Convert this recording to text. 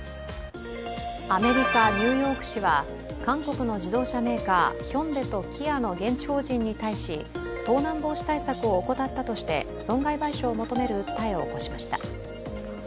アメリカ・ニューヨーク市は韓国の自動車メーカーヒョンデとキアの現地法人に対し盗難防止対策を怠ったとして損害賠償を求める訴えを起こしました。